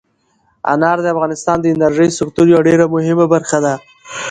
انار د افغانستان د انرژۍ سکتور یوه ډېره مهمه برخه ده.